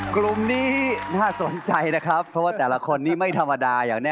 กลุ่มนี้น่าสนใจนะครับเพราะว่าแต่ละคนนี้ไม่ธรรมดาอย่างแน่